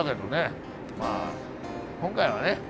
まあ今回はね